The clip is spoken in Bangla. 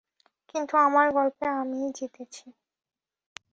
কিন্তু, আমার গল্পে আমিই জিতেছি।